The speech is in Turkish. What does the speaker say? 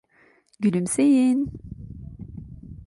Gülümseyin.